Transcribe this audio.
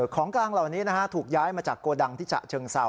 ของกลางเหล่านี้ถูกย้ายมาจากโกดังที่ฉะเชิงเซา